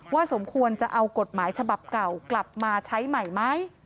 สมควรจะเอากฎหมายฉบับเก่ากลับมาใช้ใหม่ไหม